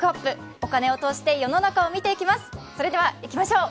お金を通して世の中を見ていきまょう。